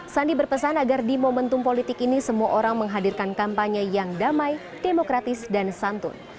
sandi berpesan agar di momentum politik ini semua orang menghadirkan kampanye yang damai demokratis dan santun